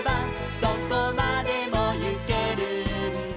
「どこまでもゆけるんだ」